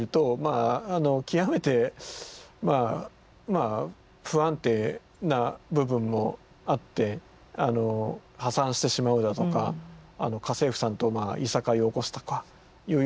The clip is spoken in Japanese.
あの極めてまあ不安定な部分もあって破産してしまうだとか家政婦さんといさかいを起こすとかいうような。